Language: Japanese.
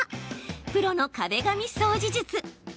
プロの壁紙掃除術。